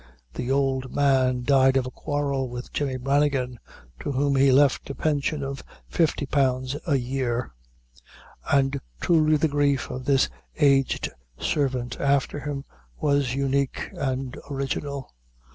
The old man died of a quarrel with Jemmy Branigan, to whom he left a pension of fifty pounds a year; and truly the grief of this aged servant after him was unique and original.